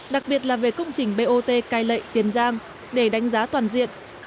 đặc biệt là về công trình bot cai lệ tiền giang để đánh giá toàn diện